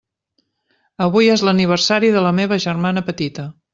Avui és l'aniversari de la meva germana petita.